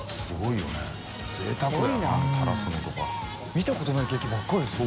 見たことないケーキばっかりですよ。